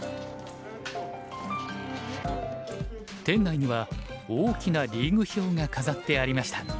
店内には大きなリーグ表が飾ってありました。